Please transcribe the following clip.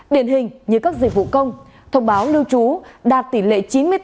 điển hình như các dịch vụ công thông báo lưu trú đạt tỷ lệ chín mươi tám tám mươi bảy